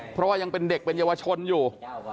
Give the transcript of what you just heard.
เพราะว่ายังเป็นเด็กเป็นเยาวชนอยู่